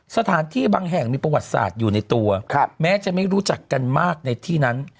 สถานที่บางแห่งมีประวัติศาสตร์อยู่ในตัวแม้จะไม่รู้จักกันมากในที่นั้น